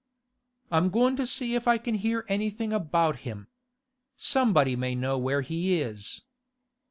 'I'm goin' to see if I can hear anything about him. Somebody may know where he is.